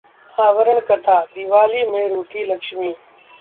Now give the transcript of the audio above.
आवरण कथा-दीवाली में रूठी लक्ष्मी